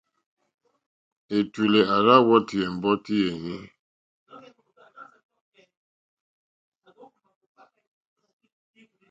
Ɛ̀tùlɛ̀ à rzá wɔ́tì ɛ̀mbɔ́tí yèní.